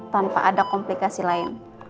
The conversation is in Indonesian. tanpa ada komplikasi lain